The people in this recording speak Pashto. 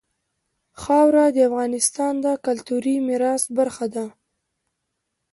خاوره د افغانستان د کلتوري میراث برخه ده.